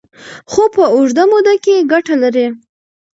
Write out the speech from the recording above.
خو په اوږده موده کې ګټه لري.